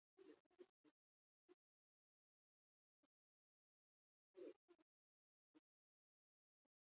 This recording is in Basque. Artean hiri barruko baratzeak lantzea da jardueretako bat.